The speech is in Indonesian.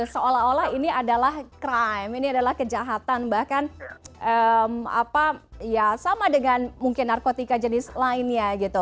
seolah olah ini adalah kejahatan bahkan sama dengan narkotika jenis lainnya